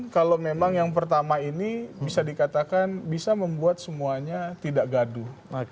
kalau memang yang pertama ini bisa dikatakan bisa membuat semuanya tidak gaduh